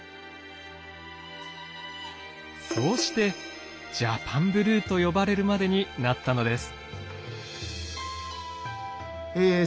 そうしてジャパン・ブルーと呼ばれるまでになったのです。